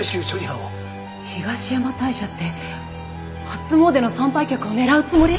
東山大社って初詣の参拝客を狙うつもり！？